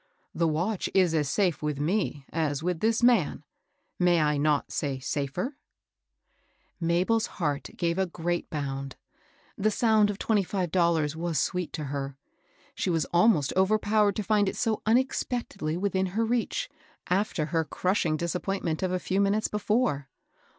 The watch is as safe with me as with this man, — may I not say safer ?" MabePs heart gave a great bound. The sound of twenty five dollars was sweet to her. She was almost overpowered to find it so unexpectedly within her reach, after her crushing disappoint ment of a few minutes before.